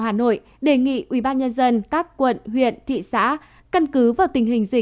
hà nội đề nghị ubnd các quận huyện thị xã cần được tiêm phòng tuy nhiên vaccine